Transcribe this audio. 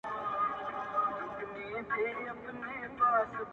خداى وركړي عجايب وه صورتونه،